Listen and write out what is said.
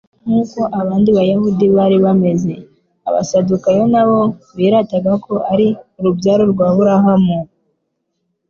Nk'uko abandi bayuda bari bameze, abasadukayo nabo birataga ko ari urubyaro rw'Aburahamu,